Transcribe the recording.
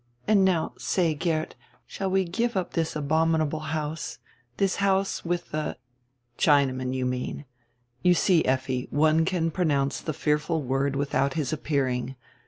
And now say, Geert, shall we give up this abominable house, this house with the —" "Chinaman, you mean. You see, Effi, one can pronounce the fearful word without his appearing.